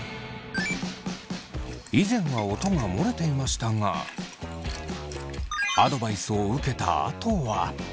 以前は音が漏れていましたがアドバイスを受けたあとは。